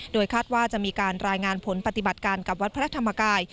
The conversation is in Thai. โดยคาดว่าจะมีการรายงานผลปฏิบัติการกับวัดพระธรรมกาย